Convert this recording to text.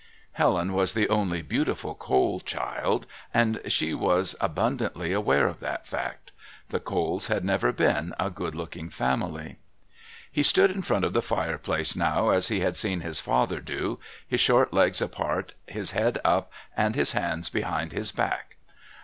Helen was the only beautiful Cole child, and she was abundantly aware of that fact. The Coles had never been a good looking family. He stood in front of the fireplace now as he had seen his father do, his short legs apart, his head up, and his hands behind his back.